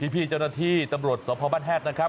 พี่เจ้าหน้าที่ตำรวจสพบ้านแฮดนะครับ